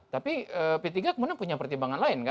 tapi p tiga kemudian punya pertimbangan lain kan